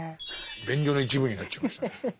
便所の一部になっちゃいましたね。